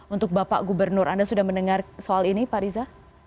untuk bapak gubernur anda sudah mendengar soal ini pak riza